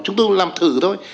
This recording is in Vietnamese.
chúng tôi làm thử thôi